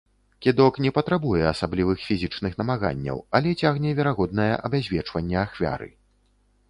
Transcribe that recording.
Кідок не патрабуе асаблівых фізічных намаганняў, але цягне верагоднае абязвечванне ахвяры.